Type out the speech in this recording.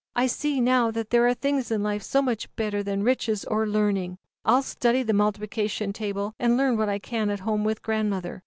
I see now that there are things in life so much better than riches or learning. I'll study the multiplication table, and learn w r hat I can at home with grandmother.